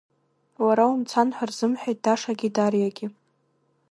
Уара умцан ҳәа рзымҳәеит Дашагьы Дариагьы.